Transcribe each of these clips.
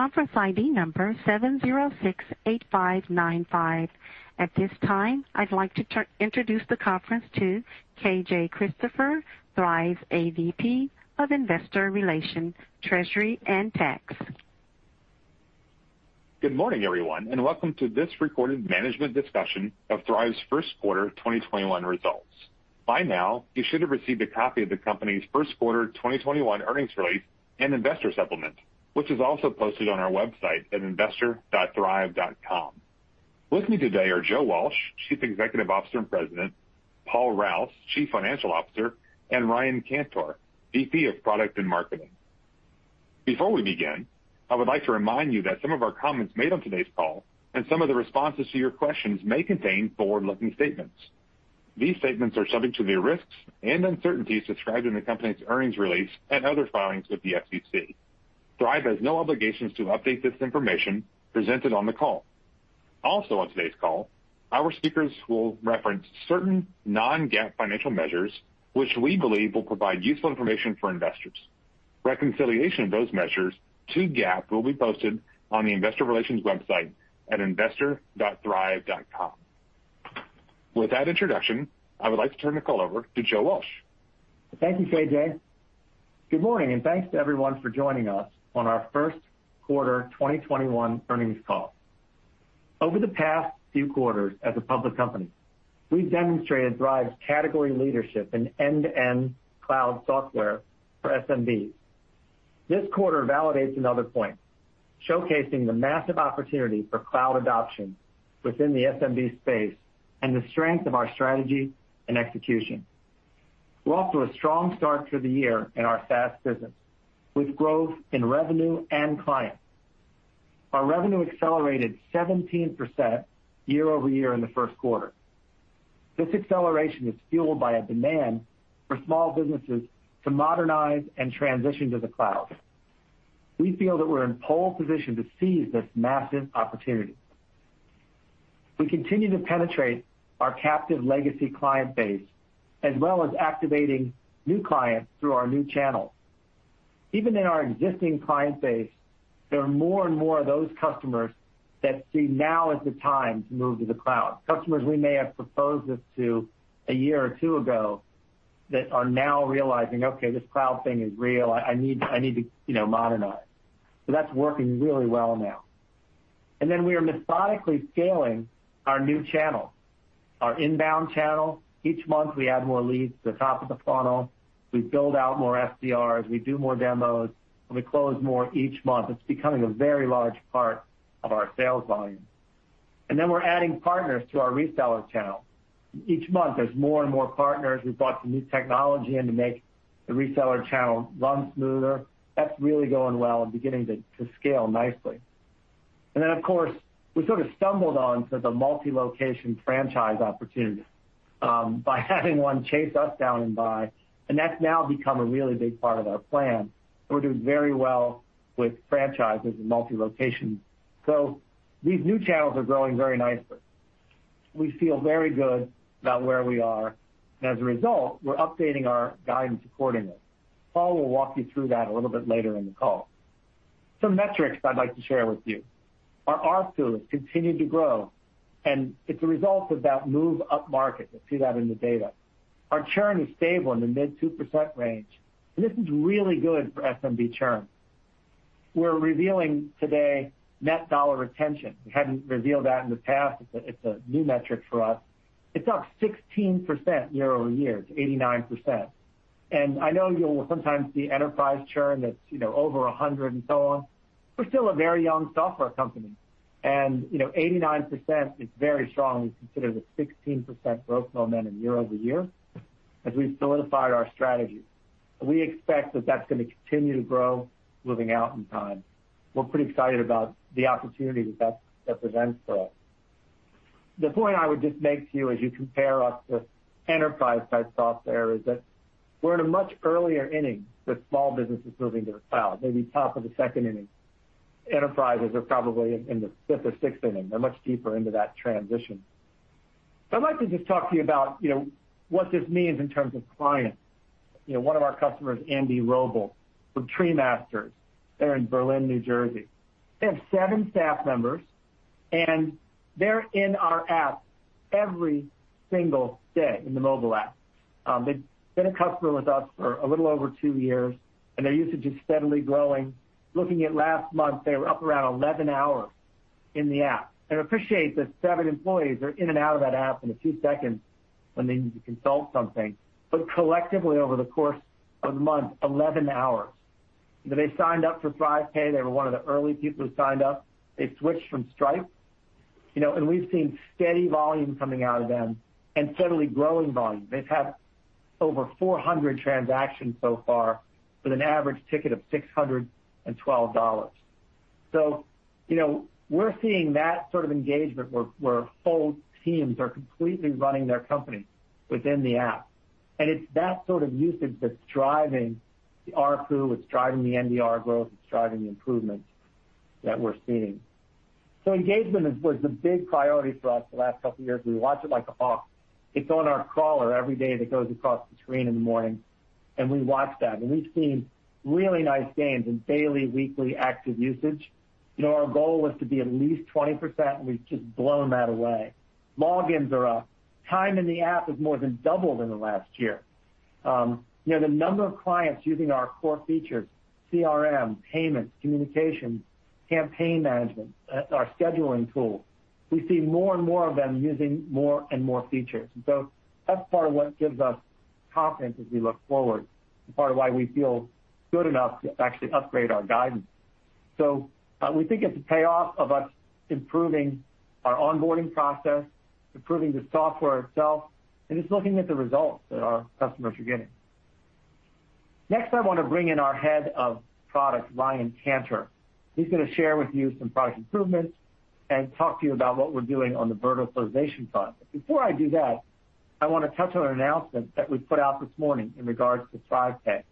At this time, I'd like to introduce the conference to KJ Christopher, Thryv's AVP of Investor Relations, Treasury, and Tax. Good morning, everyone, and welcome to this recorded management discussion of Thryv's Q1 2021 Results. By now, you should have received a copy of the company's Q1 2021 Earnings Release and Investor Supplement, which is also posted on our website at investor.thryv.com. With me today are Joe Walsh, Chief Executive Officer and President, Paul Rouse, Chief Financial Officer, and Ryan Cantor, VP of Product and Marketing. Before we begin, I would like to remind you that some of our comments made on today's call and some of the responses to your questions may contain forward-looking statements. These statements are subject to the risks and uncertainties described in the company's earnings release and other filings with the SEC. Thryv has no obligations to update this information presented on the call. Also on today's call, our speakers will reference certain non-GAAP financial measures, which we believe will provide useful information for investors. Reconciliation of those measures to GAAP will be posted on the investor relations website at investor.thryv.com. With that introduction, I would like to turn the call over to Joe Walsh. Thank you, KJ. Good morning, and thanks to everyone for joining us on our Q1 2021 earnings call. Over the past few quarters as a public company, we've demonstrated Thryv's category leadership in end-to-end cloud software for SMBs. This quarter validates another point, showcasing the massive opportunity for cloud adoption within the SMB space and the strength of our strategy and execution. We're off to a strong start to the year in our SaaS business, with growth in revenue and clients. Our revenue accelerated 17% year-over-year in the Q1. This acceleration is fueled by a demand for small businesses to modernize and transition to the cloud. We feel that we're in pole position to seize this massive opportunity. We continue to penetrate our captive legacy client base, as well as activating new clients through our new channels. Even in our existing client base, there are more and more of those customers that see now as the time to move to the cloud. Customers we may have proposed this to a year or two ago that are now realizing, "Okay, this cloud thing is real. I need to modernize." That's working really well now. We are methodically scaling our new channel, our inbound channel. Each month, we add more leads to the top of the funnel. We build out more SDRs, we do more demos, and we close more each month. It's becoming a very large part of our sales volume. We're adding partners to our reseller channel. Each month, there's more and more partners. We've brought some new technology in to make the reseller channel run smoother. That's really going well and beginning to scale nicely. Of course, we sort of stumbled on to the multi-location franchise opportunity by having one chase us down and buy, and that's now become a really big part of our plan, and we're doing very well with franchises and multi-locations. These new channels are growing very nicely. We feel very good about where we are, and as a result, we're updating our guidance accordingly. Paul Rouse will walk you through that a little bit later in the call. Some metrics I'd like to share with you. Our ARPU has continued to grow, and it's a result of that move upmarket. You'll see that in the data. Our churn is stable in the mid 2% range, and this is really good for SMB churn. We're revealing today net dollar retention. We hadn't revealed that in the past. It's a new metric for us. It's up 16% year-over-year to 89%. I know you'll sometimes see enterprise churn that's over 100 and so on. We're still a very young software company, and 89% is very strong when you consider the 16% growth momentum year-over-year as we've solidified our strategy. We expect that that's going to continue to grow moving out in time. We're pretty excited about the opportunity that that presents for us. The point I would just make to you as you compare us with enterprise-type software is that we're in a much earlier inning with small businesses moving to the cloud, maybe top of the second inning. Enterprises are probably in the fifth or sixth inning. They're much deeper into that transition. I'd like to just talk to you about what this means in terms of clients. One of our customers, Andy Robl, from Tree Masters, they're in Berlin, New Jersey. They have seven staff members, and they're in our app every single day, in the mobile app. They've been a customer with us for a little over two years, and their usage is steadily growing. Looking at last month, they were up around 11 hours in the app. Appreciate that seven employees are in and out of that app in a few seconds when they need to consult something. Collectively, over the course of the month, 11 hours. They signed up for ThryvPay. They were one of the early people who signed up. They've switched from Stripe. We've seen steady volume coming out of them and steadily growing volume. They've had over 400 transactions so far with an average ticket of $612. We're seeing that sort of engagement where whole teams are completely running their company within the app, and it's that sort of usage that's driving the ARPU, it's driving the NDR growth, it's driving the improvements that we're seeing. Engagement was a big priority for us the last couple years. We watch it like a hawk. It's on our crawler every day that goes across the screen in the morning, and we watch that. We've seen really nice gains in daily, weekly active usage. Our goal was to be at least 20%, and we've just blown that away. Logins are up. Time in the app has more than doubled in the last year. The number of clients using our core features, CRM, payments, communications, campaign management, our scheduling tool. We see more and more of them using more and more features. That's part of what gives us confidence as we look forward and part of why we feel good enough to actually upgrade our guidance. We think it's a payoff of us improving our onboarding process, improving the software itself, and just looking at the results that our customers are getting. Next, I want to bring in our Head of Product, Ryan Cantor. He's going to share with you some product improvements and talk to you about what we're doing on the verticalization front. Before I do that, I want to touch on an announcement that we put out this morning in regards to ThryvPay.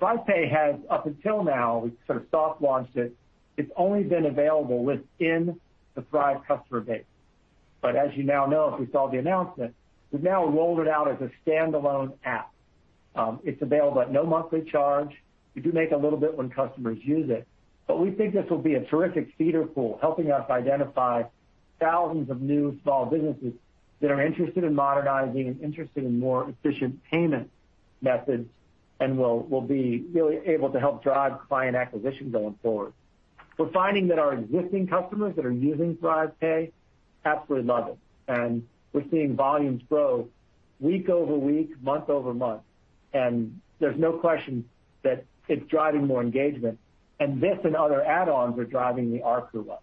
ThryvPay has, up until now, we've sort of soft launched it. It's only been available within the Thryv customer base. As you now know, if you saw the announcement, we've now rolled it out as a standalone app. It's available at no monthly charge. We do make a little bit when customers use it. We think this will be a terrific feeder pool, helping us identify thousands of new small businesses that are interested in modernizing and interested in more efficient payment methods, and will be really able to help drive client acquisition going forward. We're finding that our existing customers that are using ThryvPay absolutely love it, and we're seeing volumes grow week-over-week, month-over-month, and there's no question that it's driving more engagement. This and other add-ons are driving the ARPU up.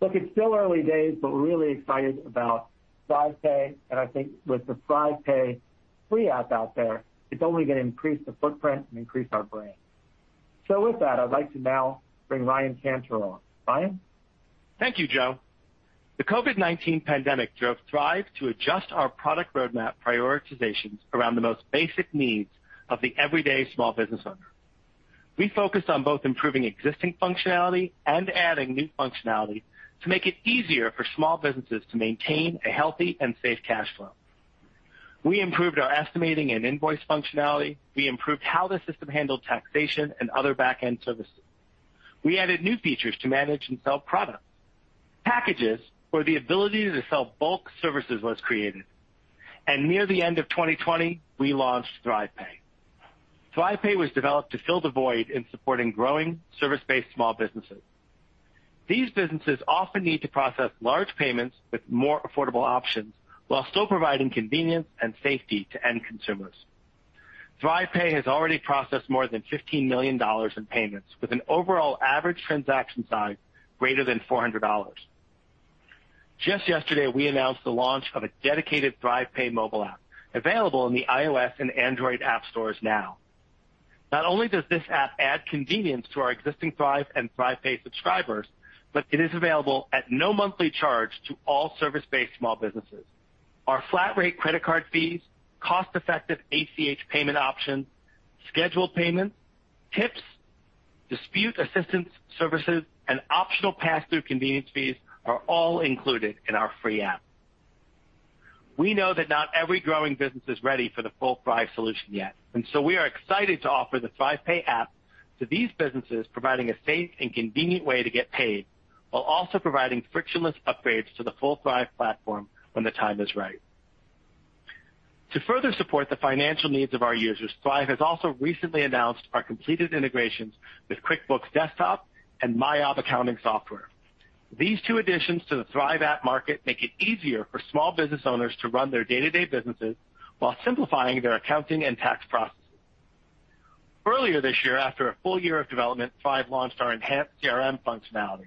Look, it's still early days, but we're really excited about ThryvPay, and I think with the ThryvPay free app out there, it's only going to increase the footprint and increase our brand. With that, I'd like to now bring Ryan Cantor on. Ryan? Thank you, Joe. The COVID-19 pandemic drove Thryv to adjust our product roadmap prioritizations around the most basic needs of the everyday small business owner. We focused on both improving existing functionality and adding new functionality to make it easier for small businesses to maintain a healthy and safe cash flow. We improved our estimating and invoice functionality. We improved how the system handled taxation and other back-end services. We added new features to manage and sell products. Packages or the ability to sell bulk services was created. Near the end of 2020, we launched ThryvPay. ThryvPay was developed to fill the void in supporting growing service-based small businesses. These businesses often need to process large payments with more affordable options while still providing convenience and safety to end consumers. ThryvPay has already processed more than $15 million in payments, with an overall average transaction size greater than $400. Just yesterday, we announced the launch of a dedicated ThryvPay mobile app, available in the iOS and Android app stores now. Not only does this app add convenience to our existing Thryv and ThryvPay subscribers, but it is available at no monthly charge to all service-based small businesses. Our flat-rate credit card fees, cost-effective ACH payment options, scheduled payments, tips, dispute assistance services, and optional pass-through convenience fees are all included in our free app. We know that not every growing business is ready for the full Thryv solution yet, we are excited to offer the ThryvPay app to these businesses, providing a safe and convenient way to get paid while also providing frictionless upgrades to the full Thryv platform when the time is right. To further support the financial needs of our users, Thryv has also recently announced our completed integrations with QuickBooks Desktop and MYOB accounting software. These two additions to the Thryv App Market make it easier for small business owners to run their day-to-day businesses while simplifying their accounting and tax processes. Earlier this year, after a full year of development, Thryv launched our enhanced CRM functionality.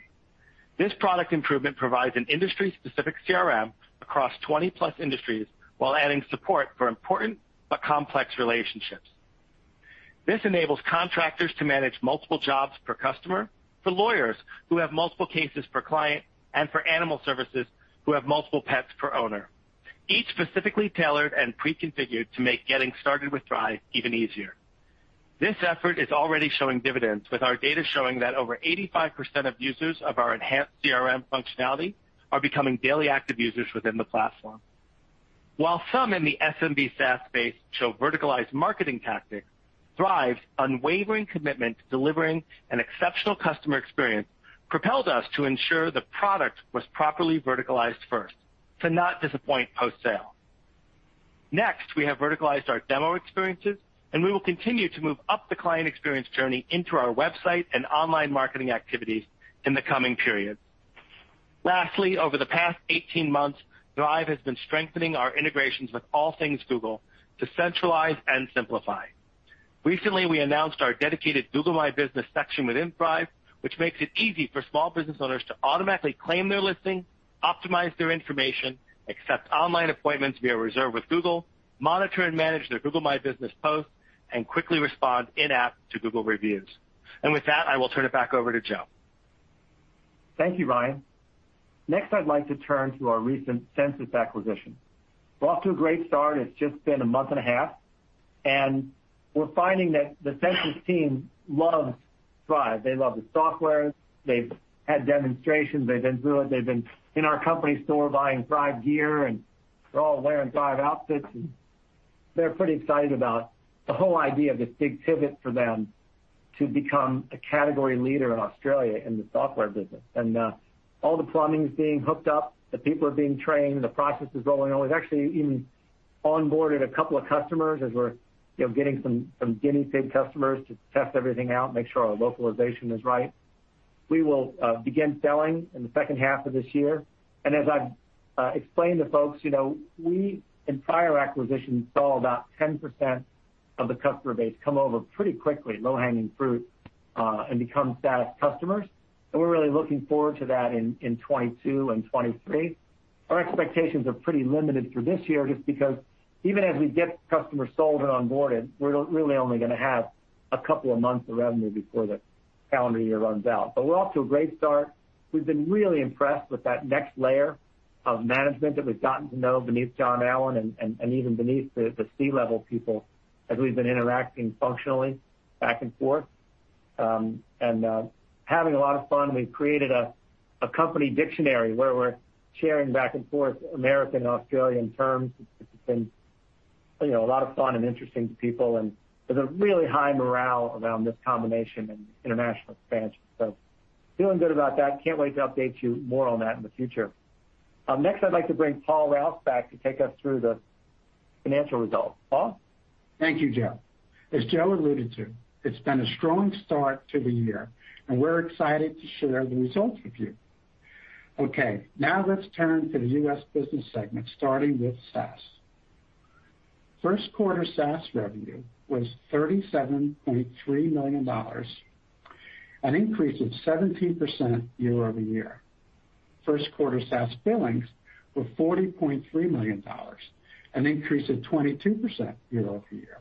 This product improvement provides an industry-specific CRM across 20+ industries while adding support for important but complex relationships. This enables contractors to manage multiple jobs per customer, for lawyers who have multiple cases per client, and for animal services who have multiple pets per owner. Each specifically tailored and preconfigured to make getting started with Thryv even easier. This effort is already showing dividends, with our data showing that over 85% of users of our enhanced CRM functionality are becoming daily active users within the platform. While some in the SMB SaaS space show verticalized marketing tactics, Thryv's unwavering commitment to delivering an exceptional customer experience propelled us to ensure the product was properly verticalized first, to not disappoint post-sale. Next, we have verticalized our demo experiences, and we will continue to move up the client experience journey into our website and online marketing activities in the coming periods. Lastly, over the past 18 months, Thryv has been strengthening our integrations with all things Google to centralize and simplify. Recently, we announced our dedicated Google My Business section within Thryv. Which makes it easy for small business owners to automatically claim their listing, optimize their information, accept online appointments via Reserve with Google, monitor and manage their Google My Business posts, and quickly respond in-app to Google reviews. With that, I will turn it back over to Joe. Thank you, Ryan. Next, I'd like to turn to our recent Sensis acquisition. We're off to a great start. It's just been a month and a half. We're finding that the Sensis team loves Thryv. They love the software. They've had demonstrations, they've been through it. They've been in our company store buying Thryv gear. They're all wearing Thryv outfits. They're pretty excited about the whole idea of this big pivot for them to become a category leader in Australia in the software business. All the plumbing's being hooked up. The people are being trained. The process is rolling out. We've actually even onboarded a couple of customers as we're getting some guinea pig customers to test everything out and make sure our localization is right. We will begin selling in the second half of this year. As I've explained to folks, we, in prior acquisitions, saw about 10% of the customer base come over pretty quickly, low-hanging fruit, and become SaaS customers. We're really looking forward to that in 2022 and 2023. Our expectations are pretty limited for this year just because even as we get customers sold and onboarded, we're really only going to have a couple of months of revenue before the calendar year runs out. We're off to a great start. We've been really impressed with that next layer of management that we've gotten to know beneath John Allan and even beneath the C-level people as we've been interacting functionally back and forth. Having a lot of fun. We've created a company dictionary where we're sharing back and forth American and Australian terms. It's been a lot of fun and interesting to people, and there's a really high morale around this combination and international expansion. Doing good about that. Can't wait to update you more on that in the future. Next, I'd like to bring Paul Rouse back to take us through the financial results. Paul? Thank you, Joe. As Joe alluded to, it's been a strong start to the year, and we're excited to share the results with you. Now let's turn to the U.S. business segment, starting with SaaS. Q1 SaaS revenue was $37.3 million, an increase of 17% year-over-year. Q1 SaaS billings were $40.3 million, an increase of 22% year-over-year.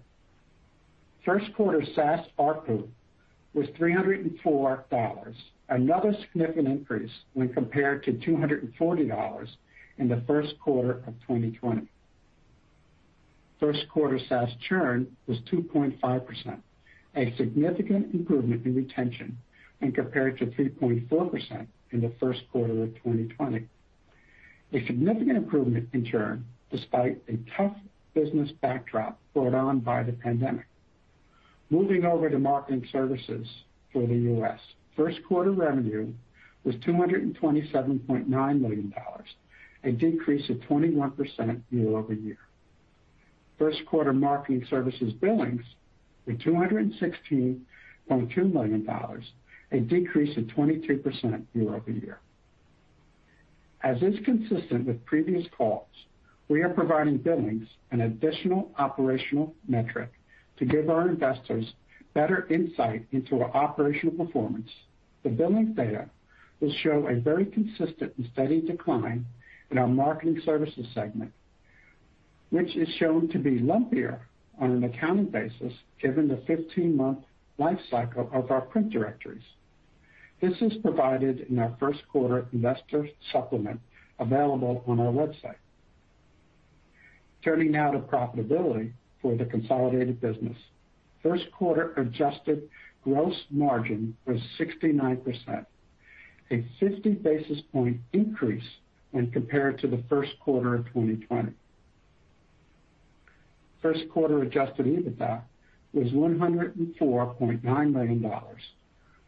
Q1 SaaS ARPU was $304, another significant increase when compared to $240 in the Q1 of 2020. Q1 SaaS churn was 2.5%, a significant improvement in retention when compared to 3.4% in the Q1 of 2020. A significant improvement in churn despite a tough business backdrop brought on by the pandemic. Moving over to Marketing Services for the U.S. Q1 revenue was $227.9 million, a decrease of 21% year-over-year. Q1 Marketing Services billings were $216.2 million, a decrease of 22% year-over-year. As is consistent with previous calls, we are providing billings, an additional operational metric, to give our investors better insight into our operational performance. The billings data will show a very consistent and steady decline in our Marketing Services segment, which is shown to be lumpier on an accounting basis given the 15-month life cycle of our print directories. This is provided in our Q1 investor supplement available on our website. Turning now to profitability for the consolidated business. Q1 adjusted gross margin was 69%, a 50-basis point increase when compared to the Q1 of 2020. Q1 adjusted EBITDA was $104.9 million,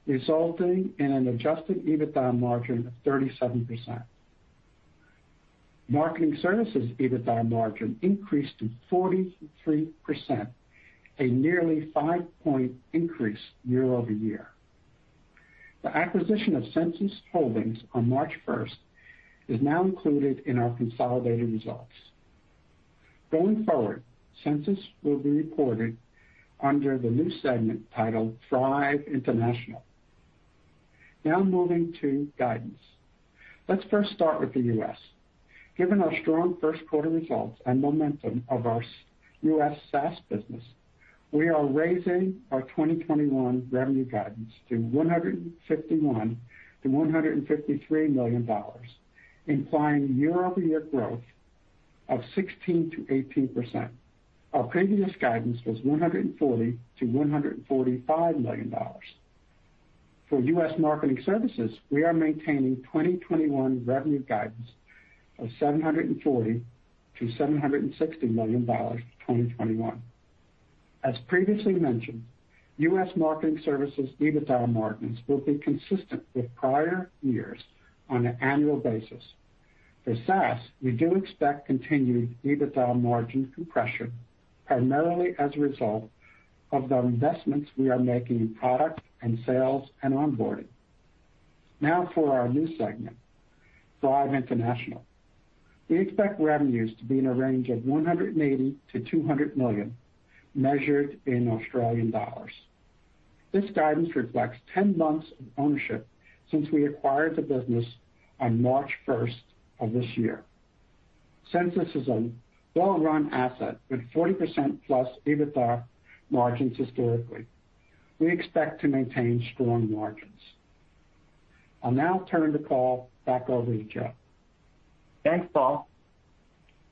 resulting in an adjusted EBITDA margin of 37%. Marketing Services EBITDA margin increased to 43%, a nearly five-point increase year-over-year. The acquisition of Sensis Holdings on March 1st is now included in our consolidated results. Going forward, Sensis will be reported under the new segment titled Thryv International. Moving to guidance. Let's first start with the U.S. Given our strong Q1 results and momentum of our U.S. SaaS business, we are raising our 2021 revenue guidance to $151-$153 million, implying year-over-year growth of 16%-18%. Our previous guidance was $140-$145 million. For U.S. Marketing Services, we are maintaining 2021 revenue guidance of $740-$760 million for 2021. As previously mentioned, U.S. Marketing Services EBITDA margins will be consistent with prior years on an annual basis. For SaaS, we do expect continued EBITDA margin compression, primarily as a result of the investments we are making in product and sales and onboarding. For our new segment, Thryv International. We expect revenues to be in a range of 180 million to 200 million. This guidance reflects 10 months of ownership since we acquired the business on March 1st of this year. Sensis is a well-run asset with 40% plus EBITDA margins historically. We expect to maintain strong margins. I'll now turn the call back over to Joe. Thanks, Paul.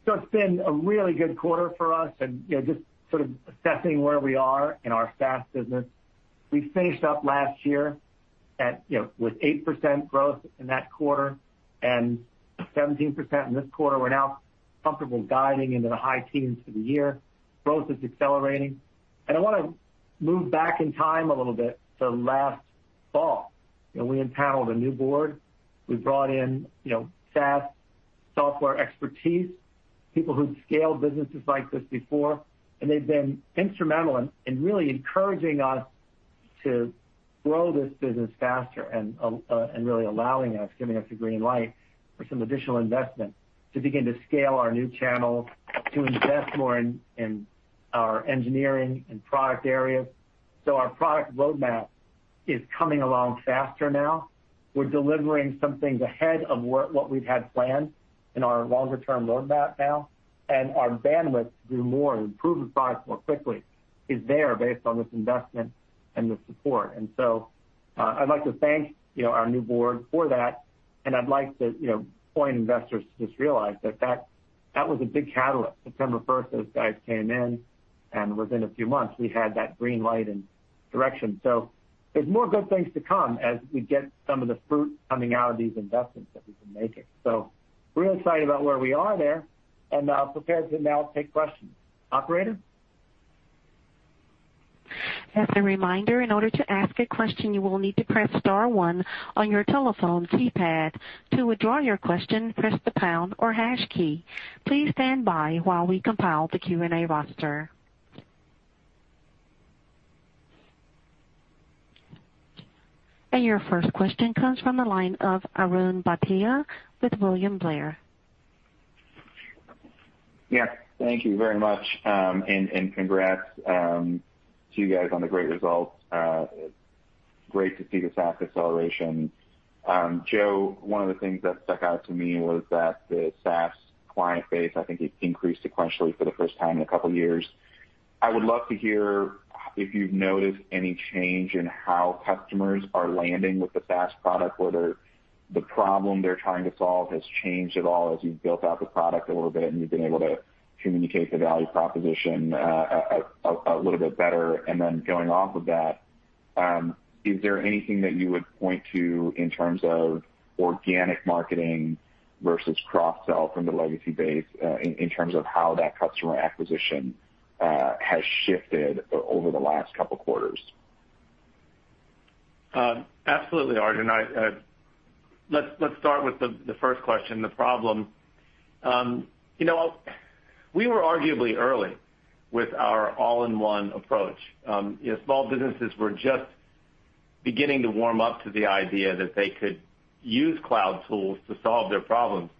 It's been a really good quarter for us and just sort of assessing where we are in our SaaS business. We finished up last year with 8% growth in that quarter and 17% in this quarter. We're now comfortably guiding into the high teens for the year. Growth is accelerating. I want to move back in time a little bit to last fall. We impaneled a new board. We brought in SaaS software expertise, people who'd scaled businesses like this before, and they've been instrumental in really encouraging us to grow this business faster and really allowing us, giving us the green light for some additional investment to begin to scale our new channels, to invest more in our engineering and product areas. Our product roadmap is coming along faster now. We're delivering some things ahead of what we've had planned in our longer term roadmap now, and our bandwidth to do more and improve the product more quickly is there based on this investment and the support. I'd like to thank our new board for that. I'd like to point investors to just realize that was a big catalyst. September 1st, those guys came in, and within a few months we had that green light and direction. There's more good things to come as we get some of the fruit coming out of these investments that we've been making. Really excited about where we are there, and prepared to now take questions. Operator? As a reminder, in order to ask a question, you will need to press star one on your telephone keypad. To withdraw your question, press the pound or hash key. Please stand by while we compile the Q&A roster. Your first question comes from the line of Arjun Bhatia with William Blair. Yeah. Thank you very much, and congrats to you guys on the great results. Great to see the SaaS acceleration. Joe, one of the things that stuck out to me was that the SaaS client base, I think it increased sequentially for the first time in a couple of years. I would love to hear if you've noticed any change in how customers are landing with the SaaS product, whether the problem they're trying to solve has changed at all as you've built out the product a little bit and you've been able to communicate the value proposition a little bit better. Going off of that, is there anything that you would point to in terms of organic marketing versus cross-sell from the legacy base in terms of how that customer acquisition has shifted over the last couple of quarters? Absolutely, Arjun. Let's start with the first question, the problem. We were arguably early with our all-in-one approach. Small businesses were just beginning to warm up to the idea that they could use cloud tools to solve their problems.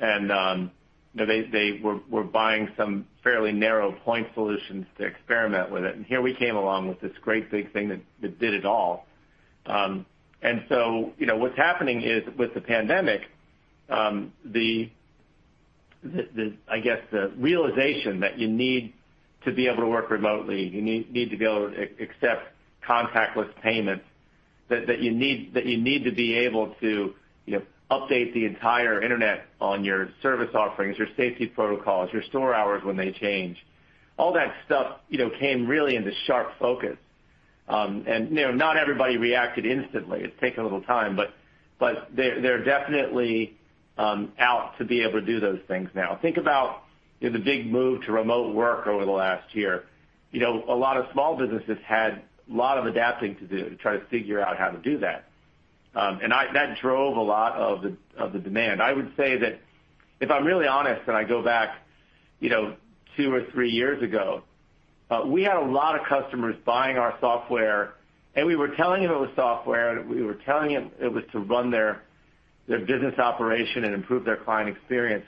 They were buying some fairly narrow point solutions to experiment with it. Here we came along with this great big thing that did it all. What's happening is, with the pandemic, I guess the realization that you need to be able to work remotely, you need to be able to accept contactless payments, that you need to be able to update the entire internet on your service offerings, your safety protocols, your store hours when they change. All that stuff came really into sharp focus. Not everybody reacted instantly. It's taken a little time, but they're definitely out to be able to do those things now. Think about the big move to remote work over the last year. A lot of small businesses had a lot of adapting to do to try to figure out how to do that. That drove a lot of the demand. I would say that if I'm really honest and I go back two or three years ago, we had a lot of customers buying our software, and we were telling them it was software, and we were telling them it was to run their business operation and improve their client experience.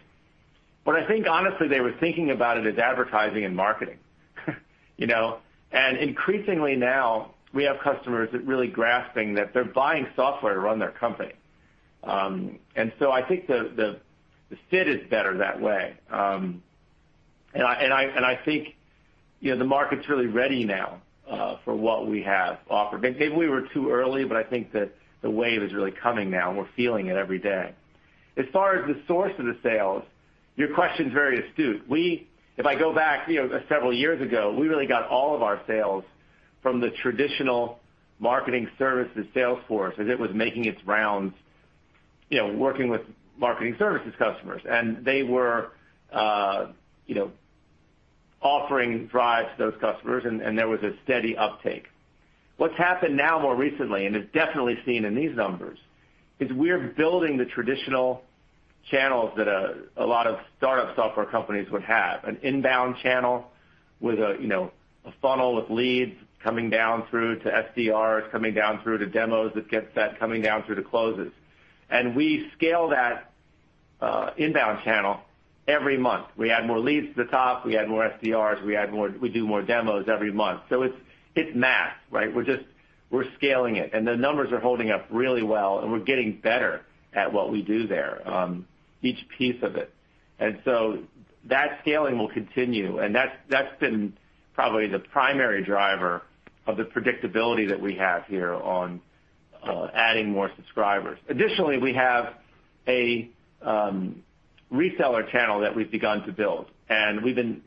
I think honestly, they were thinking about it as advertising and marketing. Increasingly now, we have customers that really grasping that they're buying software to run their company. I think the fit is better that way. I think the market's really ready now for what we have offered. Maybe we were too early, but I think that the wave is really coming now and we're feeling it every day. As far as the source of the sales, your question's very astute. If I go back several years ago, we really got all of our sales from the traditional Marketing Services sales force as it was making its rounds working with Marketing Services customers. They were offering Thryv to those customers, and there was a steady uptake. What's happened now more recently, it's definitely seen in these numbers, is we're building the traditional channels that a lot of startup software companies would have. An inbound channel with a funnel with leads coming down through to SDRs, coming down through to demos that gets that coming down through to closes. We scale that inbound channel every month. We add more leads to the top, we add more SDRs, we do more demos every month. It's math, right? We're scaling it, and the numbers are holding up really well, and we're getting better at what we do there, each piece of it. That scaling will continue, and that's been probably the primary driver of the predictability that we have here on adding more subscribers. Additionally, we have a reseller channel that we've begun to build, and we've been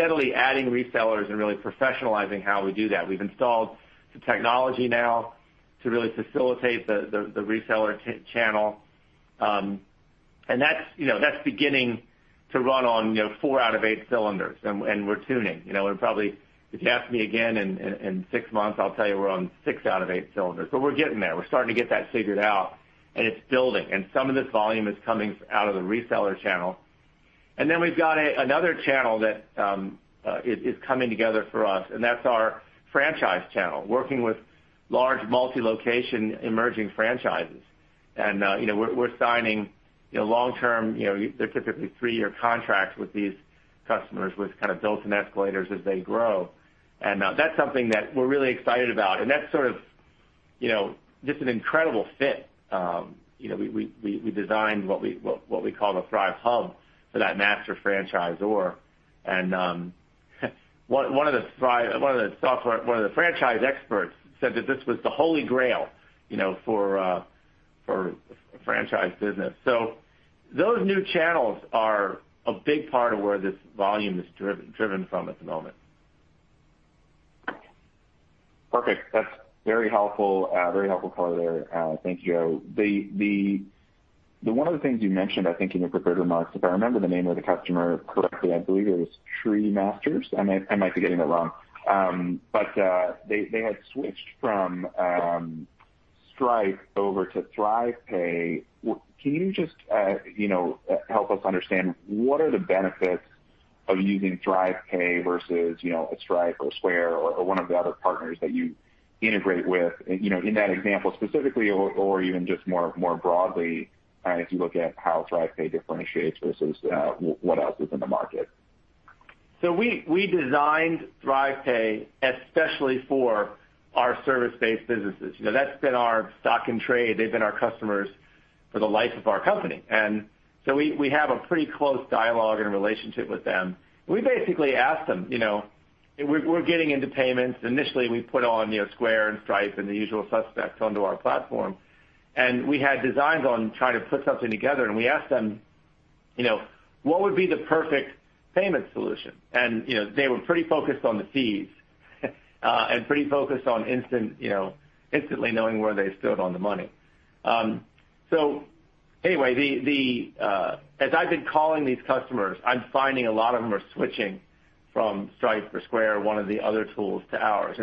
steadily adding resellers and really professionalizing how we do that. We've installed the technology now to really facilitate the reseller channel. That's beginning to run on four out of eight cylinders, and we're tuning. If you ask me again in six months, I'll tell you we're on six out of eight cylinders. We're getting there. We're starting to get that figured out, and it's building. Some of this volume is coming out of the reseller channel. We've got another channel that is coming together for us, and that's our franchise channel, working with large multi-location emerging franchises. We're signing long-term, they're typically three-year contracts with these customers, with built-in escalators as they grow. That's something that we're really excited about. That's sort of just an incredible fit. We designed what we call the Thryv Hub for that master franchisor. One of the franchise experts said that this was the holy grail for franchise business. Those new channels are a big part of where this volume is driven from at the moment. Perfect. That's very helpful, Paul, there. Thank you. One of the things you mentioned, I think, in your prepared remarks, if I remember the name of the customer correctly, I believe it was Tree Masters. I might be getting that wrong. They had switched from Stripe over to ThryvPay. Can you just help us understand what are the benefits of using ThryvPay versus a Stripe or Square or one of the other partners that you integrate with, in that example specifically or even just more broadly if you look at how ThryvPay differentiates versus what else is in the market? We designed ThryvPay especially for our service-based businesses. That's been our stock and trade. They've been our customers for the life of our company. We have a pretty close dialogue and relationship with them. We basically asked them, we're getting into payments. Initially, we put on Square and Stripe and the usual suspects onto our platform. We had designs on trying to put something together, and we asked them, "What would be the perfect payment solution?" They were pretty focused on the fees and pretty focused on instantly knowing where they stood on the money. As I've been calling these customers, I'm finding a lot of them are switching from Stripe or Square or one of the other tools to ours.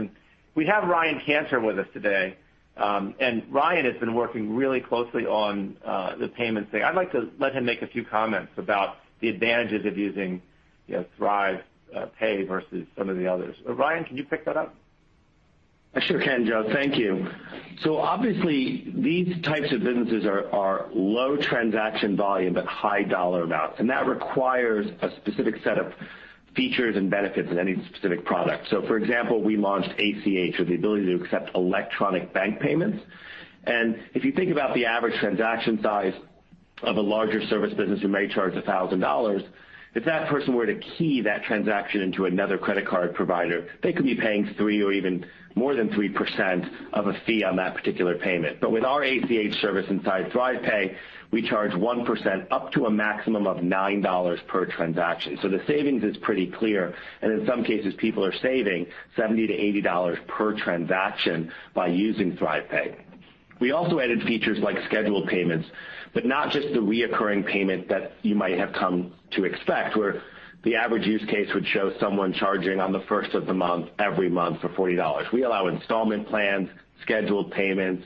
We have Ryan Cantor with us today. Ryan has been working really closely on the payments thing. I'd like to let him make a few comments about the advantages of using ThryvPay versus some of the others. Ryan, can you pick that up? I sure can, Joe. Thank you. Obviously, these types of businesses are low transaction volume, but high dollar amounts, and that requires a specific set of features and benefits in any specific product. For example, we launched ACH with the ability to accept electronic bank payments. If you think about the average transaction size of a larger service business who may charge $1,000, if that person were to key that transaction into another credit card provider, they could be paying 3% or even more than 3% of a fee on that particular payment. With our ACH service inside ThryvPay, we charge 1% up to a maximum of $9 per transaction. The savings is pretty clear. In some cases, people are saving $70-$80 per transaction by using ThryvPay. We also added features like scheduled payments, but not just the recurring payment that you might have come to expect, where the average use case would show someone charging on the first of the month, every month for $40. We allow installment plans, scheduled payments,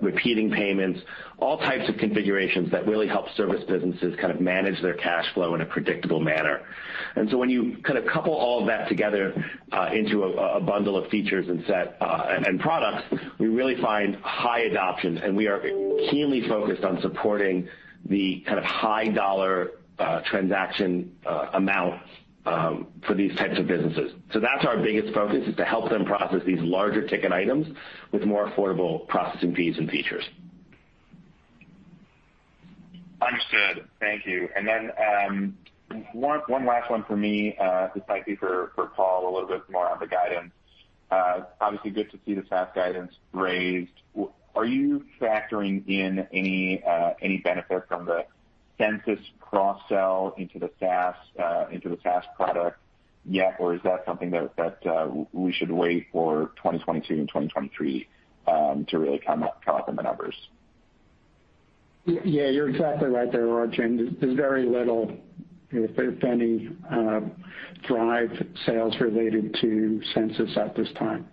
repeating payments, all types of configurations that really help service businesses manage their cash flow in a predictable manner. When you couple all of that together into a bundle of features and products, we really find high adoption, and we are keenly focused on supporting the high dollar transaction amount for these types of businesses. That's our biggest focus, is to help them process these larger ticket items with more affordable processing fees and features. Understood. Thank you. One last one from me, this might be for Paul, a little bit more on the guidance. Obviously good to see the SaaS guidance raised. Are you factoring in any benefit from the Sensis cross-sell into the SaaS product yet, or is that something that we should wait for 2022 and 2023 to really come up in the numbers? Yeah, you're exactly right there, Arjun. There's very little, if any, Thryv sales related to Sensis at this time.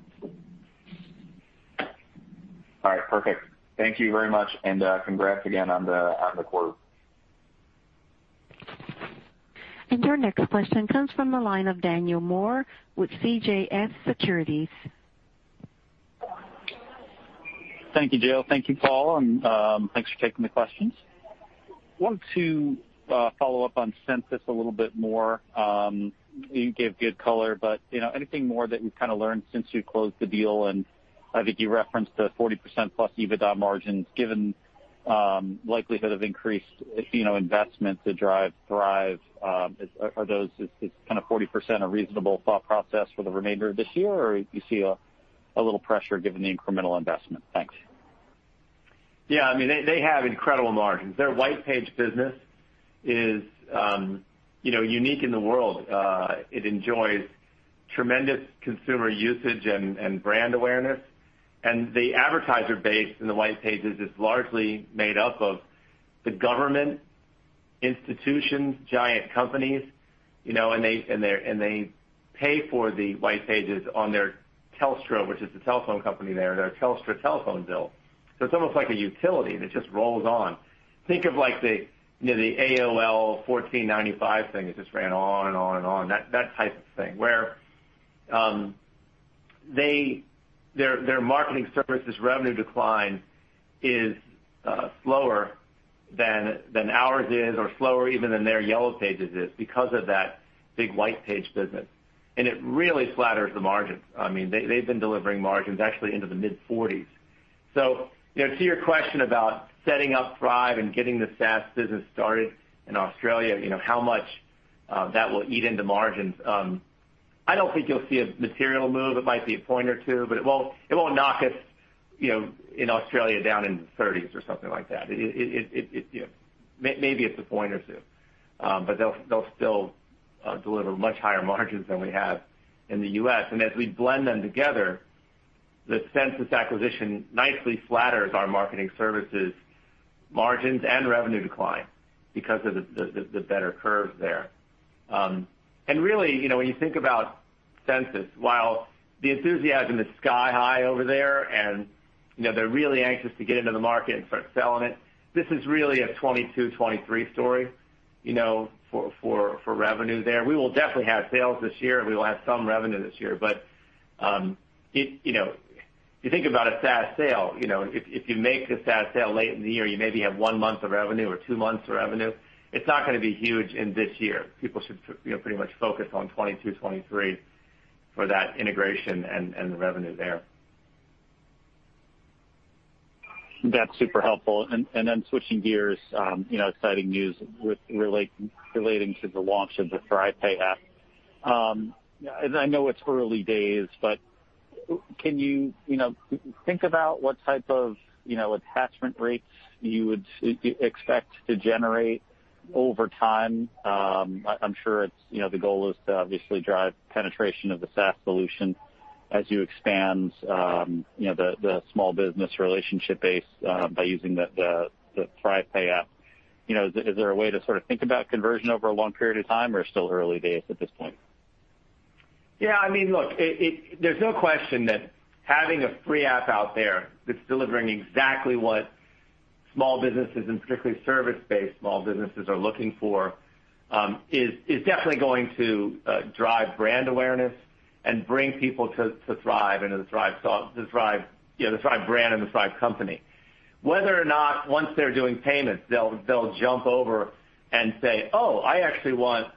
All right, perfect. Thank you very much, and congrats again on the quarter. Your next question comes from the line of Daniel Moore with CJS Securities. Thank you, Joe Walsh. Thank you, Paul, and thanks for taking the questions. I wanted to follow up on Sensis a little bit more. You gave good color, but anything more that you've kind of learned since you closed the deal? I think you referenced the 40% plus EBITDA margins given likelihood of increased investment to drive Thryv. Is 40% a reasonable thought process for the remainder of this year, or you see a little pressure given the incremental investment? Thanks. Yeah. They have incredible margins. Their White Pages business is unique in the world. It enjoys tremendous consumer usage and brand awareness. The advertiser base in the White Pages is largely made up of the government institutions, giant companies, and they pay for the White Pages on their Telstra, which is the telephone company there, their Telstra telephone bill. It's almost like a utility that just rolls on. Think of like the AOL $14.95 thing. It just ran on and on and on. That type of thing, where their Marketing Services revenue decline is slower than ours is or slower even than their Yellow Pages is because of that big White Pages business. It really flatters the margins. They've been delivering margins actually into the mid-40s%. To your question about setting up Thryv and getting the SaaS business started in Australia, how much that will eat into margins? I don't think you'll see a material move. It might be a point or two, but it won't knock us in Australia down into 30s or something like that. Maybe it's a point or two. They'll still deliver much higher margins than we have in the U.S. As we blend them together, the Sensis acquisition nicely flatters our Marketing Services margins and revenue decline because of the better curves there. Really, when you think about Sensis, while the enthusiasm is sky high over there and they're really anxious to get into the market and start selling it, this is really a 2022, 2023 story for revenue there. We will definitely have sales this year. We will have some revenue this year. If you think about a SaaS sale, if you make a SaaS sale late in the year, you maybe have one month of revenue or two months of revenue. It's not going to be huge in this year. People should pretty much focus on 2022, 2023 for that integration and the revenue there. That's super helpful. Switching gears, exciting news relating to the launch of the ThryvPay app. I know it's early days, but can you think about what type of attachment rates you would expect to generate over time? I'm sure the goal is to obviously drive penetration of the SaaS solution as you expand the small business relationship base by using the ThryvPay app. Is there a way to sort of think about conversion over a long period of time, or still early days at this point? Yeah. Look, there's no question that having a free app out there that's delivering exactly what small businesses, and particularly service-based small businesses are looking for, is definitely going to drive brand awareness and bring people to Thryv and to the Thryv brand and the Thryv company. Whether or not once they're doing payments, they'll jump over and say, "Oh, I actually want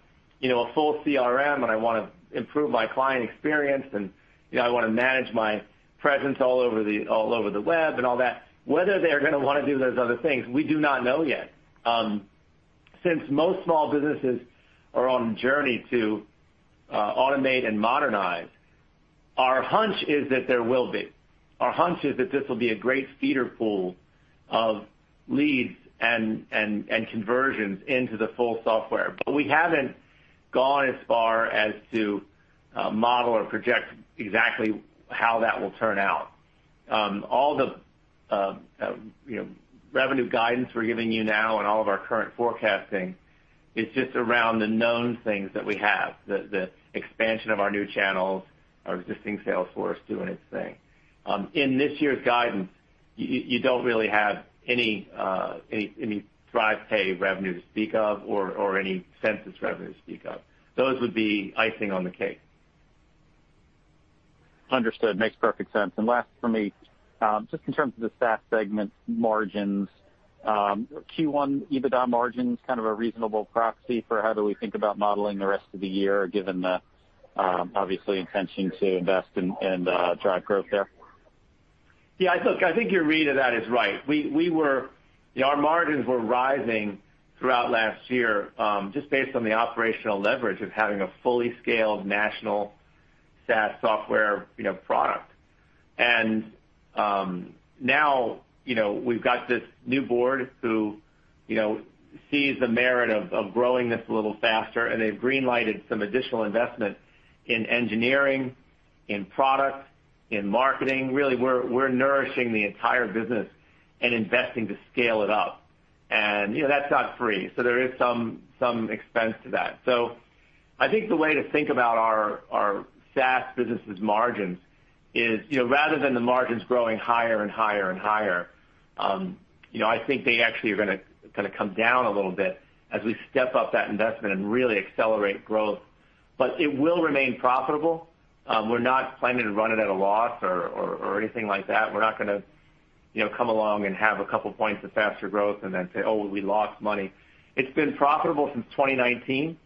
a full CRM, and I want to improve my client experience, and I want to manage my presence all over the web and all that." Whether they're going to want to do those other things, we do not know yet. Since most small businesses are on a journey to automate and modernize, our hunch is that this will be a great feeder pool of leads and conversions into the full software. We haven't gone as far as to model or project exactly how that will turn out. All the revenue guidance we're giving you now and all of our current forecasting is just around the known things that we have, the expansion of our new channels, our existing sales force doing its thing. In this year's guidance, you don't really have any ThryvPay revenue to speak of or any Sensis revenue to speak of. Those would be icing on the cake. Understood. Makes perfect sense. Last for me, just in terms of the SaaS segment margins, Q1 EBITDA margins kind of a reasonable proxy for how do we think about modeling the rest of the year, given the obviously intention to invest in drive growth there? Yeah, look, I think your read of that is right. Our margins were rising throughout last year just based on the operational leverage of having a fully scaled national SaaS software product. Now we've got this new board who sees the merit of growing this a little faster, and they've green lighted some additional investment in engineering, in product, in marketing. Really, we're nourishing the entire business and investing to scale it up. That's not free. There is some expense to that. I think the way to think about our SaaS businesses margins is rather than the margins growing higher and higher and higher, I think they actually are going to come down a little bit as we step up that investment and really accelerate growth. It will remain profitable. We're not planning to run it at a loss or anything like that. We're not going to come along and have a couple points of faster growth and then say, "Oh, we lost money." It's been profitable since 2019,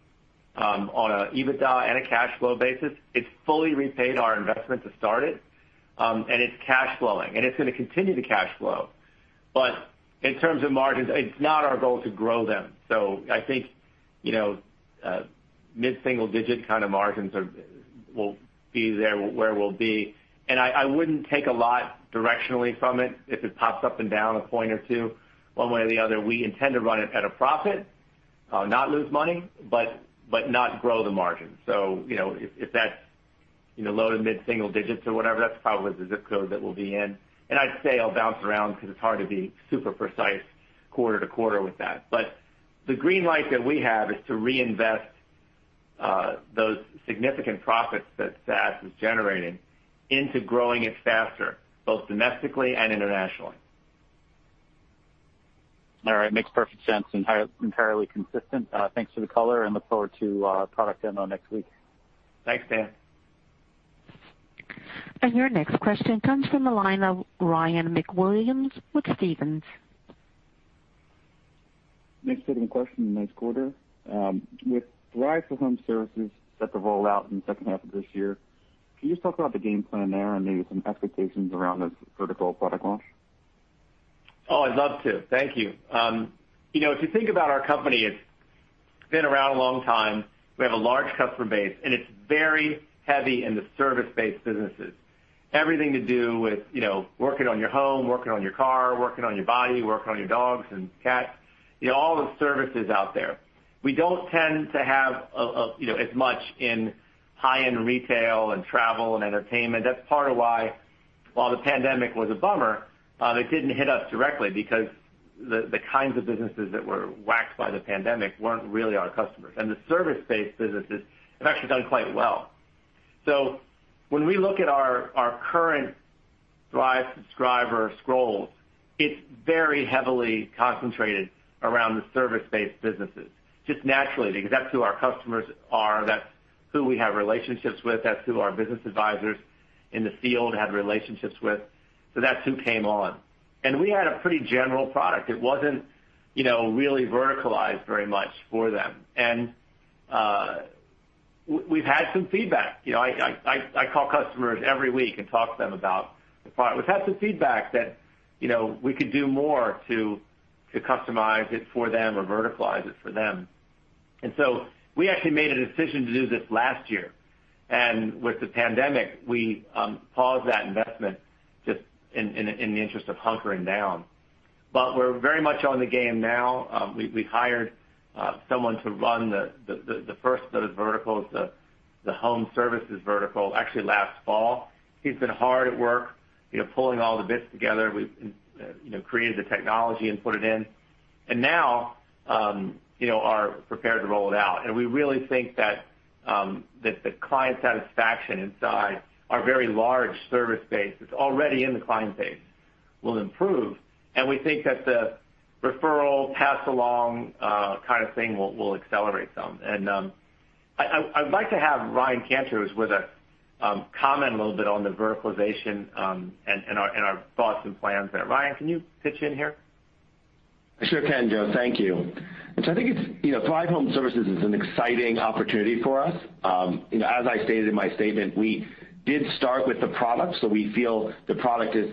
on a EBITDA and a cash flow basis. It's fully repaid our investment to start it, and it's cash flowing, and it's going to continue to cash flow. In terms of margins, it's not our goal to grow them. I think, mid-single-digit kind of margins will be there where we'll be. I wouldn't take a lot directionally from it if it pops up and down a point or two, one way or the other. We intend to run it at a profit, not lose money, but not grow the margin. If that's low-to-mid-single-digits or whatever, that's probably the ZIP code that we'll be in. I'd say it'll bounce around because it's hard to be super precise quarter to quarter with that. The green light that we have is to reinvest those significant profits that SaaS is generating into growing it faster, both domestically and internationally. All right. Makes perfect sense. Entirely consistent. Thanks for the color and look forward to product demo next week. Thanks, Dan. Your next question comes from the line of Ryan MacWilliams with Stephens. Thanks for taking the question. Nice quarter. With Thryv for Home Services set to roll out in the second half of this year, can you just talk about the game plan there and maybe some expectations around this vertical product launch? I'd love to. Thank you. If you think about our company, it's been around a long time. We have a large customer base, and it's very heavy in the service-based businesses. Everything to do with working on your home, working on your car, working on your body, working on your dogs and cats, all the services out there. We don't tend to have as much in high-end retail and travel and entertainment. That's part of why, while the pandemic was a bummer, it didn't hit us directly because the kinds of businesses that were whacked by the pandemic weren't really our customers. The service-based businesses have actually done quite well. When we look at our current Thryv subscriber scrolls, it's very heavily concentrated around the service-based businesses, just naturally because that's who our customers are, that's who we have relationships with, that's who our business advisors in the field had relationships with. That's who came on. We had a pretty general product. It wasn't really verticalized very much for them. We've had some feedback. I call customers every week and talk to them about the product. We've had some feedback that we could do more to customize it for them or verticalize it for them. We actually made a decision to do this last year. With the pandemic, we paused that investment just in the interest of hunkering down. We're very much on the game now. We hired someone to run the first set of verticals, the Home Services vertical, actually last fall. He's been hard at work pulling all the bits together. We've created the technology and put it in. Now, are prepared to roll it out. We really think that the client satisfaction inside our very large service base that's already in the client base will improve. We think that the referral pass along kind of thing will accelerate some. I'd like to have Ryan Cantor, who's with us, comment a little bit on the verticalization, and our thoughts and plans there. Ryan, can you pitch in here? I sure can, Joe. Thank you. I think Thryv Home Services is an exciting opportunity for us. As I stated in my statement, we did start with the product, we feel the product is,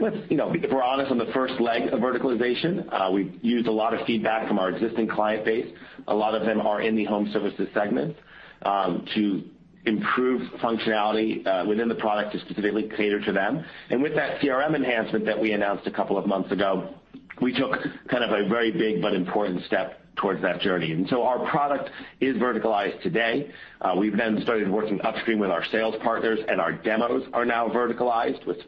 if we're honest on the first leg of verticalization, we've used a lot of feedback from our existing client base. A lot of them are in the home services segment, to improve functionality within the product to specifically cater to them. With that CRM enhancement that we announced a couple of months ago, we took kind of a very big but important step towards that journey. Our product is verticalized today. We've then started working upstream with our sales partners, our demos are now verticalized with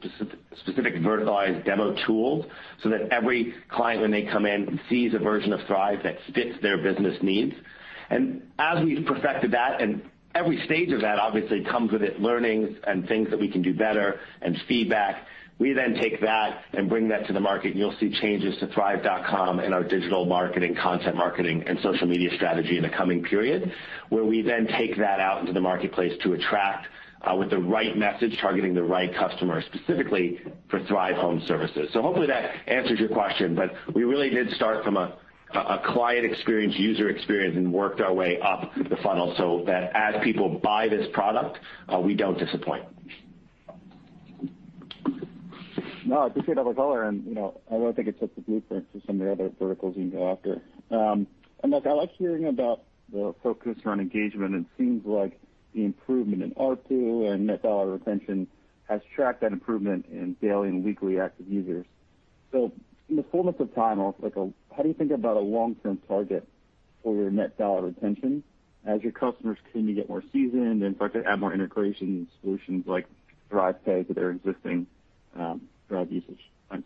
specific verticalized demo tools, so that every client, when they come in, sees a version of Thryv that fits their business needs. As we've perfected that, and every stage of that obviously comes with it learnings and things that we can do better and feedback. We then take that and bring that to the market, and you'll see changes to thryv.com and our digital marketing, content marketing, and social media strategy in the coming period, where we then take that out into the marketplace to attract with the right message, targeting the right customers, specifically for Thryv Home Services. Hopefully that answers your question, but we really did start from a client experience, user experience, and worked our way up the funnel so that as people buy this product, we don't disappoint. I appreciate all the color and I think it sets the blueprint for some of your other verticals you can go after. Look, I like hearing about the focus around engagement. It seems like the improvement in ARPU and net dollar retention has tracked that improvement in daily and weekly active users. In the fullness of time, how do you think about a long-term target for your net dollar retention as your customers continue to get more seasoned and start to add more integration solutions like ThryvPay to their existing Thryv usage? Thanks.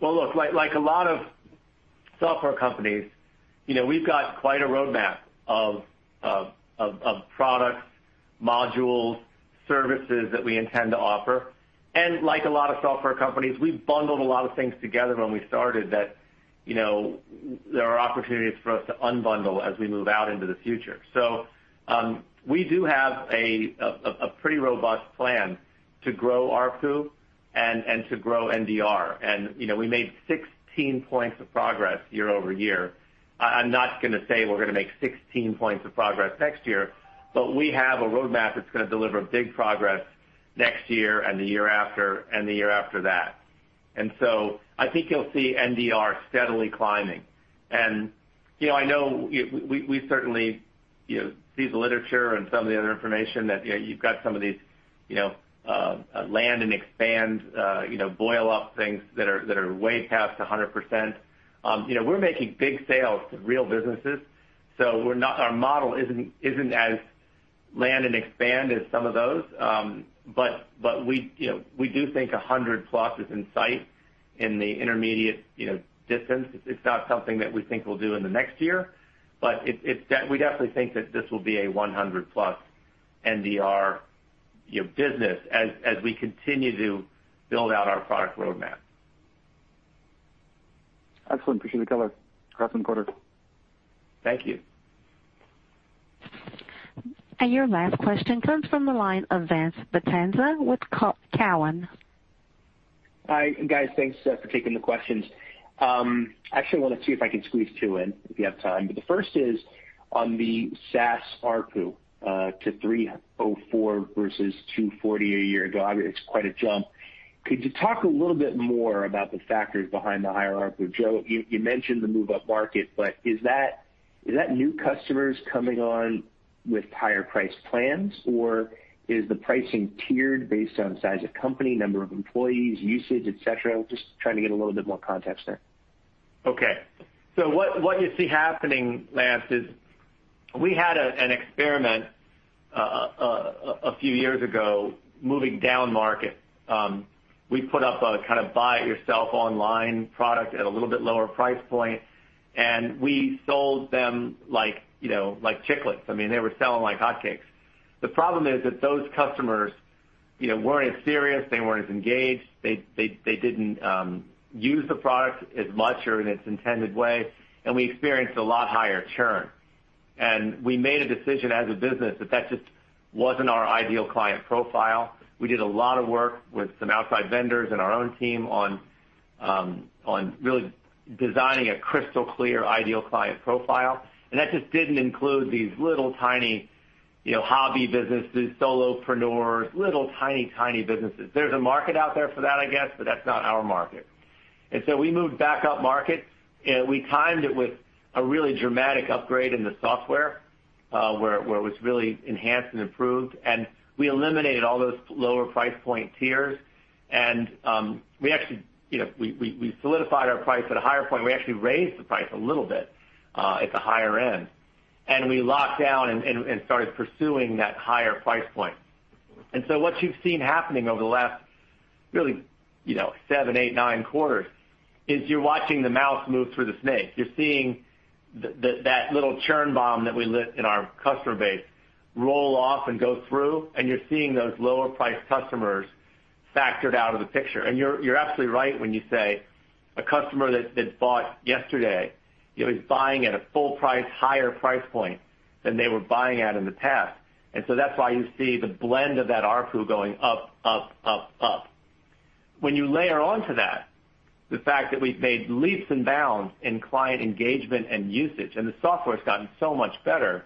Well, look, like a lot of software companies, we've got quite a roadmap of products, modules, services that we intend to offer. Like a lot of software companies, we bundled a lot of things together when we started that there are opportunities for us to unbundle as we move out into the future. We do have a pretty robust plan to grow ARPU and to grow NDR. We made 16 points of progress year-over-year. I'm not going to say we're going to make 16 points of progress next year, but we have a roadmap that's going to deliver big progress next year and the year after, and the year after that. I think you'll see NDR steadily climbing. I know we certainly see the literature and some of the other information that you've got some of these land and expand, boil up things that are way past 100%. We're making big sales to real businesses, so our model isn't as land and expand as some of those. We do think 100-plus is in sight in the intermediate distance. It's not something that we think we'll do in the next year, but we definitely think that this will be a 100-plus NDR business as we continue to build out our product roadmap. Excellent. Appreciate the color. Have a good quarter. Thank you. Your last question comes from the line of Lance Vitanza with Cowen. Hi. Guys, thanks for taking the questions. Actually, I want to see if I can squeeze two in, if you have time. The first is on the SaaS ARPU to $304 versus $240 a year ago. Obviously, it's quite a jump. Could you talk a little bit more about the factors behind the higher ARPU? Joe, you mentioned the move-up market, is that new customers coming on with higher priced plans, or is the pricing tiered based on size of company, number of employees, usage, et cetera? Just trying to get a little bit more context there. Okay. What you see happening, Lance, is we had an experiment a few years ago moving down market. We put up a kind of buy it yourself online product at a little bit lower price point, and we sold them like Chiclets. I mean, they were selling like hotcakes. The problem is that those customers weren't as serious, they weren't as engaged. They didn't use the product as much or in its intended way, and we experienced a lot higher churn. We made a decision as a business that just wasn't our ideal client profile. We did a lot of work with some outside vendors and our own team on really designing a crystal clear ideal client profile, and that just didn't include these little tiny hobby businesses, solopreneurs, little tiny businesses. There's a market out there for that, I guess, but that's not our market. We moved back up market and we timed it with a really dramatic upgrade in the software, where it was really enhanced and improved, and we eliminated all those lower price point tiers. We actually solidified our price at a higher point. We actually raised the price a little bit at the higher end, and we locked down and started pursuing that higher price point. What you've seen happening over the last really, seven, eight, nine quarters is you're watching the mouse move through the snake. You're seeing that little churn bomb that we lit in our customer base roll off and go through, and you're seeing those lower priced customers factored out of the picture. You're absolutely right when you say a customer that bought yesterday is buying at a full price, higher price point than they were buying at in the past. That's why you see the blend of that ARPU going up. When you layer onto that the fact that we've made leaps and bounds in client engagement and usage, and the software's gotten so much better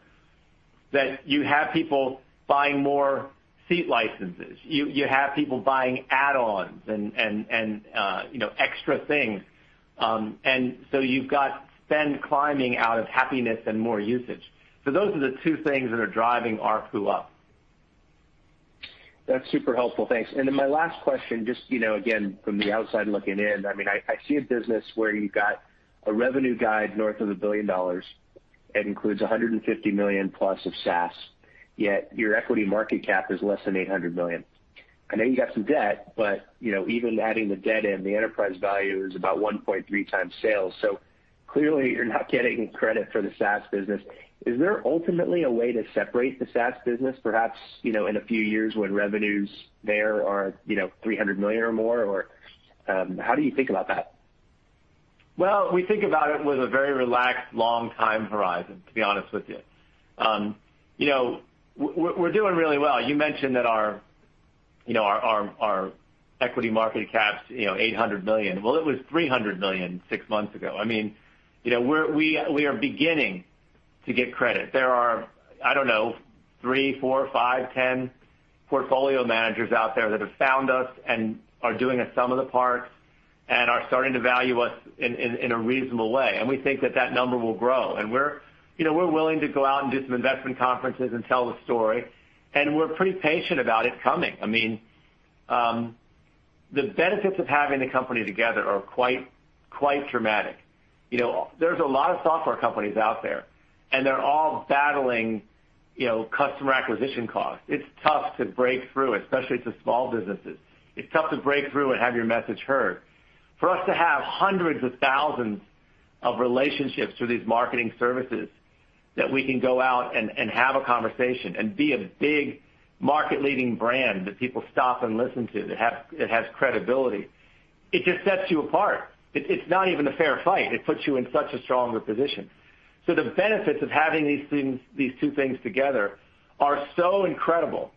that you have people buying more seat licenses. You have people buying add-ons and extra things. You've got spend climbing out of happiness and more usage. Those are the two things that are driving ARPU up. That's super helpful. Thanks. My last question, just again, from the outside looking in, I mean, I see a business where you've got a revenue guide north of $1 billion that includes $150 million+ of SaaS, yet your equity market cap is less than $800 million. I know you got some debt, but even adding the debt in, the enterprise value is about 1.3x sales. Clearly you're not getting credit for the SaaS business. Is there ultimately a way to separate the SaaS business perhaps in a few years when revenues there are $300 million or more, or how do you think about that? Well, we think about it with a very relaxed, long time horizon, to be honest with you. We're doing really well. You mentioned that our equity market cap's $800 million. Well, it was $300 million six months ago. I mean, we are beginning to get credit. There are, I don't know, three, four, five, 10 portfolio managers out there that have found us and are doing a sum of the parts and are starting to value us in a reasonable way. We think that that number will grow, and we're willing to go out and do some investment conferences and tell the story, and we're pretty patient about it coming. I mean, the benefits of having the company together are quite dramatic. There's a lot of software companies out there, and they're all battling customer acquisition costs. It's tough to break through, especially to small businesses. It's tough to break through and have your message heard. For us to have hundreds of thousands of relationships through these Marketing Services that we can go out and have a conversation and be a big market-leading brand that people stop and listen to, that has credibility. It just sets you apart. It's not even a fair fight. It puts you in such a stronger position. The benefits of having these two things together are so incredible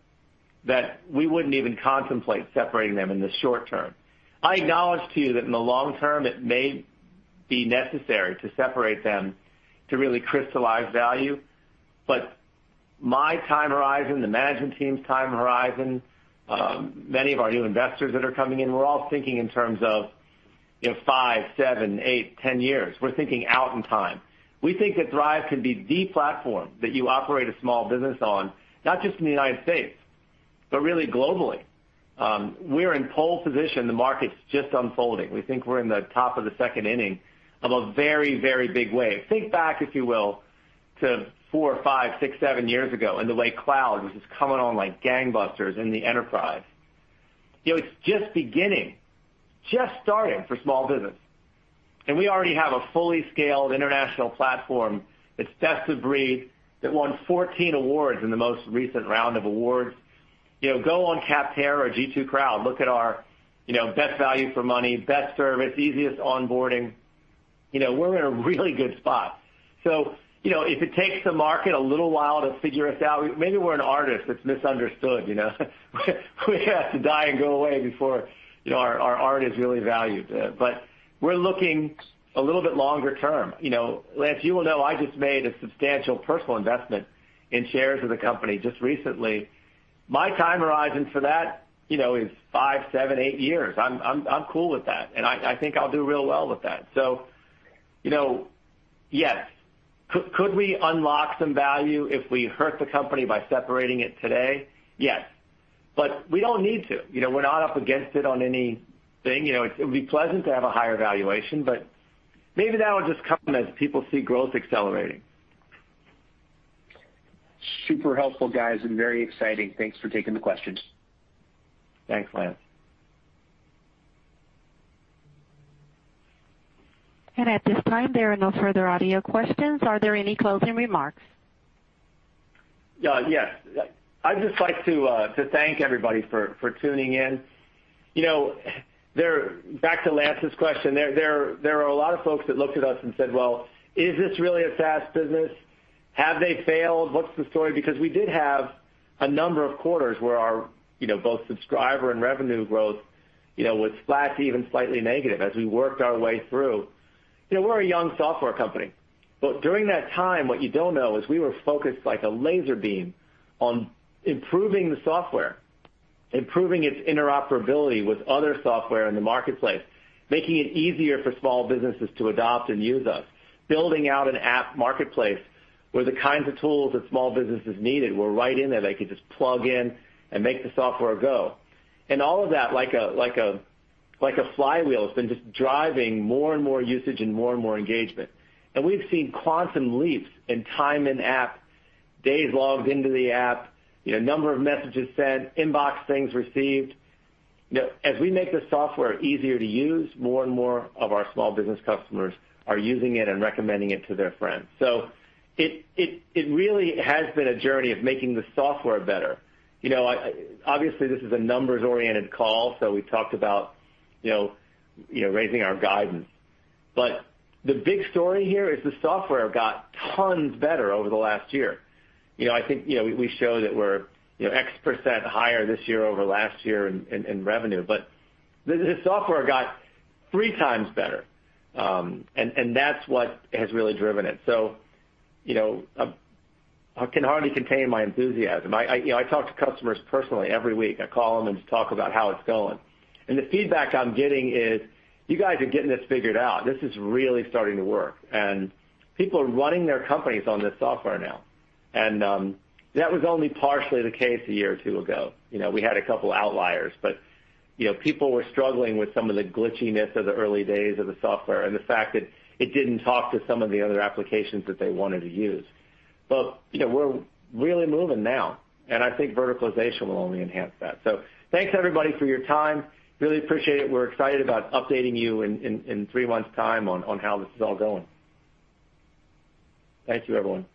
that we wouldn't even contemplate separating them in the short term. I acknowledge to you that in the long term, it may be necessary to separate them to really crystallize value. My time horizon, the management team's time horizon, many of our new investors that are coming in, we're all thinking in terms of five, seven, eight, 10 years. We're thinking out in time. We think that Thryv can be the platform that you operate a small business on, not just in the United States, but really globally. We're in pole position. The market's just unfolding. We think we're in the top of the second inning of a very, very big wave. Think back, if you will, to four, five, six, seven years ago, and the way cloud was just coming on like gangbusters in the enterprise. It's just beginning, just starting for small business. We already have a fully scaled international platform that's best of breed, that won 14 awards in the most recent round of awards. Go on Capterra or G2 Crowd. Look at our best value for money, best service, easiest onboarding. We're in a really good spot. If it takes the market a little while to figure us out, maybe we're an artist that's misunderstood. We have to die and go away before our art is really valued. We're looking a little bit longer term. Lance, you will know I just made a substantial personal investment in shares of the company just recently. My time horizon for that is five, seven, eight years. I'm cool with that, and I think I'll do real well with that. Yes. Could we unlock some value if we hurt the company by separating it today? Yes. We don't need to. We're not up against it on anything. It would be pleasant to have a higher valuation, but maybe that will just come as people see growth accelerating. Super helpful, guys, and very exciting. Thanks for taking the questions. Thanks, Lance. At this time, there are no further audio questions. Are there any closing remarks? Yes. I'd just like to thank everybody for tuning in. Back to Lance's question, there are a lot of folks that looked at us and said, "Well, is this really a SaaS business? Have they failed? What's the story?" We did have a number of quarters where our both subscriber and revenue growth was flat to even slightly negative as we worked our way through. We're a young software company. During that time, what you don't know is we were focused like a laser beam on improving the software, improving its interoperability with other software in the marketplace, making it easier for small businesses to adopt and use us, building out an app marketplace where the kinds of tools that small businesses needed were right in there. They could just plug in and make the software go. All of that, like a flywheel, has been just driving more and more usage and more and more engagement. We've seen quantum leaps in time in app, days logged into the app, number of messages sent, inbox things received. As we make the software easier to use, more and more of our small business customers are using it and recommending it to their friends. It really has been a journey of making the software better. Obviously, this is a numbers-oriented call, so we talked about raising our guidance. The big story here is the software got tons better over the last year. I think we show that we're X% higher this year over last year in revenue, but the software got three times better, and that's what has really driven it. I can hardly contain my enthusiasm. I talk to customers personally every week. I call them and just talk about how it's going. The feedback I'm getting is, "You guys are getting this figured out. This is really starting to work." People are running their companies on this software now, and that was only partially the case a year or two ago. We had a couple outliers, but people were struggling with some of the glitchiness of the early days of the software and the fact that it didn't talk to some of the other applications that they wanted to use. We're really moving now, and I think verticalization will only enhance that. Thanks everybody for your time. Really appreciate it. We're excited about updating you in three months' time on how this is all going. Thank you, everyone.